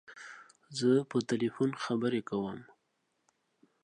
زه په تلیفون خبری کوم.